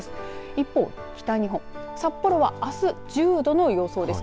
一方、北日本、札幌はあす１０度の予想です。